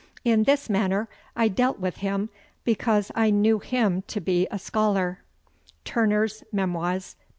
In this manner I dealt with him, because I knew him to be a scholar." TURNER'S MEMOIRS, p.